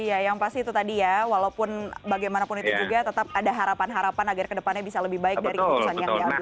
iya yang pasti itu tadi ya walaupun bagaimanapun itu juga tetap ada harapan harapan agar kedepannya bisa lebih baik dari keputusan yang diambil